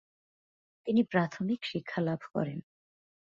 তিনি প্রাথমিক শিক্ষালাভ করেন।